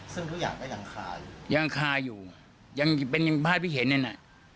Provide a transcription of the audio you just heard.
ซึ่งทุกอย่างก็ยังคาอยู่ยังคาอยู่ยังเป็นยังพลาดพิเฮนเนี่ยน่ะ